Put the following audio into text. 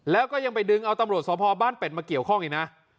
แล้วก็ยังไปดึงเอาตำรวจสพบ้านเป็ดมาเกี่ยวข้องอีกนะ